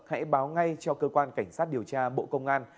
hãy báo ngay cho cơ quan cảnh sát điều tra bộ công an